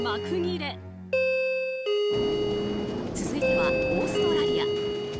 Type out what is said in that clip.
続いては、オーストラリア。